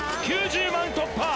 ９０万突破